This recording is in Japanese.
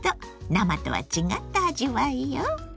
生とは違った味わいよ。